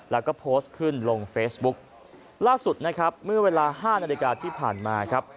แล้วก็โพสต์ขึ้นลงเฟซบุ๊กล่าสุดนะครับเมื่อเวลาห้านาฬิกาที่ผ่านมาครับ